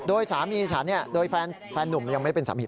โดยสามีฉันโดยแฟนนุ่มยังไม่ได้เป็นสามี